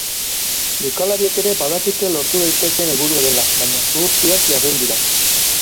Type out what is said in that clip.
Jokalariek ere badakite lortu daitekeen helburua dela, baina zuhurtziaz jardun dira.